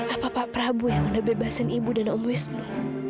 apa pak prabu yang udah bebasin ibu dan om busno